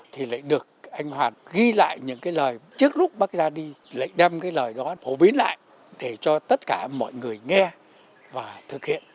thì lại được anh hoàng ghi lại những cái lời trước lúc bác ra đi lại đem cái lời đó phổ biến lại để cho tất cả mọi người nghe và thực hiện